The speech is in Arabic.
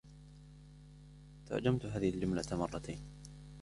ترجمت هذه الجملة مرتين.